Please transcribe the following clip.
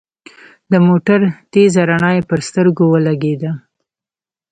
د موټر تېزه رڼا يې پر سترګو ولګېده.